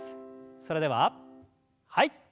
それでははい。